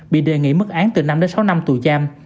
bị đề nghị mất án từ năm sáu năm tù giam